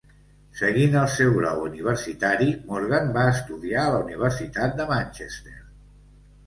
Seguint el seu grau universitari, Morgan va estudiar a la Universitat de Manchester.